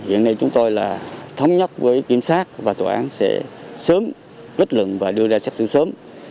hiện nay chúng tôi là thống nhất với kiểm sát và tòa án sẽ sớm kết luận và đưa ra xét xử sớm